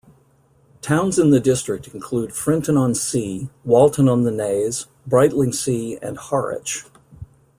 Towns in the district include Frinton-on-Sea, Walton-on-the-Naze, Brightlingsea and Harwich.